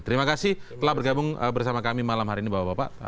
terima kasih telah bergabung bersama kami malam hari ini bapak bapak